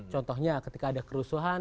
contohnya ketika ada kerusuhan